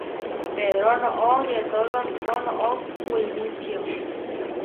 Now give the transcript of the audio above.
Pedró noʼó yetóru ahpó noʼó kuimičio.